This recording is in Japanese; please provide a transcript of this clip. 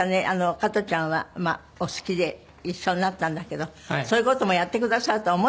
加トちゃんはまあお好きで一緒になったんだけどそういう事もやってくださるとは思ってもいなかったでしょう？